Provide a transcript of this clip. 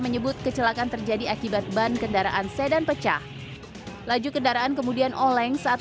menyebut kecelakaan terjadi akibat ban kendaraan sedan pecah laju kendaraan kemudian oleng saat